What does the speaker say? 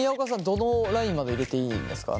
どのラインまで入れていいんですか？